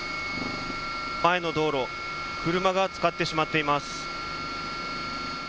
前の道路、車がつかってしまっています。